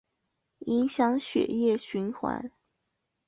影响血液循环